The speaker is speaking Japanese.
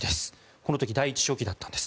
この時、第１書記だったんです。